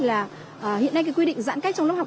là hiện nay cái quy định giãn cách trong lớp học